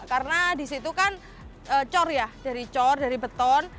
karena di situ kan cor ya dari cor dari beton